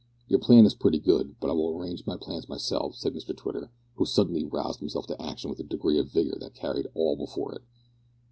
"Your plan is pretty good, but I will arrange my plans myself," said Mr Twitter, who suddenly roused himself to action with a degree of vigour that carried all before it.